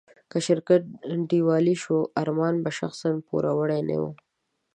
که شرکت ډيوالي شو، ارمان به شخصاً پوروړی نه و.